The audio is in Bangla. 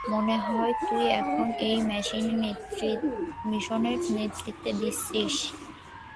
মনে কর, তুই এখন এই মিশনের নেতৃত্ব দিচ্ছিস।